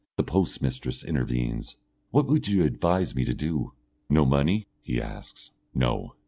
The post mistress intervenes. "What would you advise me to do?" "No money?" he asks. "No."